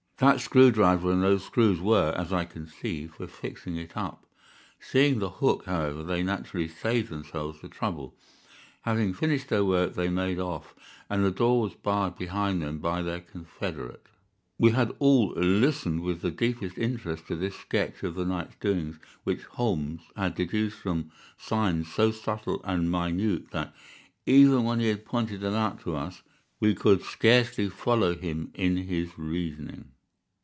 That screw driver and those screws were, as I conceive, for fixing it up. Seeing the hook, however they naturally saved themselves the trouble. Having finished their work they made off, and the door was barred behind them by their confederate." We had all listened with the deepest interest to this sketch of the night's doings, which Holmes had deduced from signs so subtle and minute that, even when he had pointed them out to us, we could scarcely follow him in his reasoning.